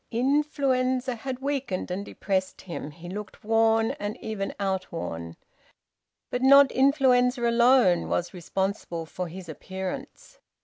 Influenza had weakened and depressed him; he looked worn, and even outworn. But not influenza alone was responsible for his appearance.